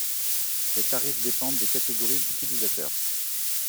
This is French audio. Les tarifs dépendent des catégories d'utilisateur.